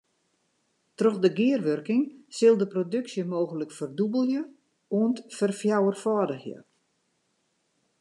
Troch de gearwurking sil de produksje mooglik ferdûbelje oant ferfjouwerfâldigje.